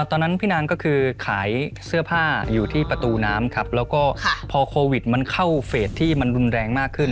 ตอนนั้นพี่นางก็คือขายเสื้อผ้าอยู่ที่ประตูน้ำครับแล้วก็พอโควิดมันเข้าเฟสที่มันรุนแรงมากขึ้น